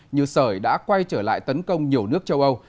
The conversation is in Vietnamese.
như sởi đã quay trở lại tấn công nhiều nước châu âu